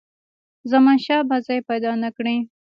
زمانشاه به ځای پیدا نه کړي.